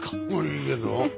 いいけど？